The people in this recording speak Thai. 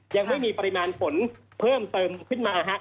ยังไม่มีปริมาณฝนเพิ่มเติมขึ้นมา